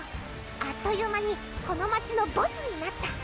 あっという間にこの街のボスになった。